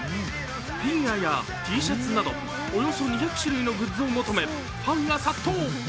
フィギュアやＴシャツなどおよそ２００種類のグッズを求め、ファンが殺到。